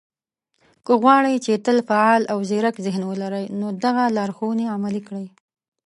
که غواړئ، چې تل فعال او ځيرک ذهن ولرئ، نو دغه لارښوونې عملي کړئ